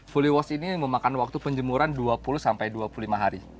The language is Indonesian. fully wash ini memakan waktu penjemuran dua puluh sampai dua puluh lima hari